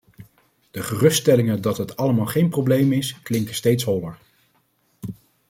De geruststellingen dat dat allemaal geen probleem is, klinken steeds holler.